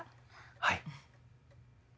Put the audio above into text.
はい。